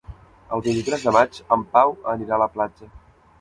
El vint-i-tres de maig en Pau anirà a la platja.